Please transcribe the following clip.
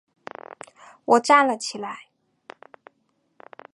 我站了起来